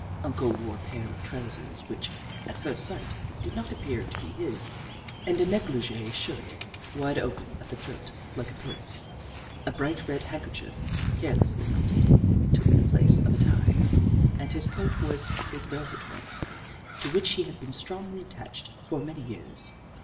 Uncle wore a pair of trousers which, at first sight, did not appear to be his, and a negligee shirt, wide open at the throat, like a poet's. A bright red handker chief, carelessly knotted, took the place of a tie, and his coat was his velvet one, to which he had been strongly attached for many years.